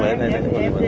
để cháu nó còn được